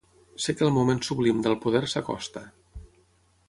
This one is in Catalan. Sé que el moment sublim del poder s'acosta.